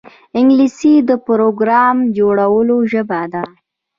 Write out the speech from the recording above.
انګلیسي د پروګرام جوړولو ژبه ده